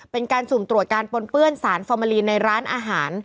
เป็นการสุ่มตรวจการปนเปื้อนสารฟอร์มาลีนในร้านอาหาร